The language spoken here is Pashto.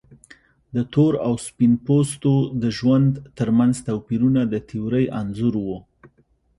د تور او سپین پوستو د ژوند ترمنځ توپیرونه د تیورۍ انځور و.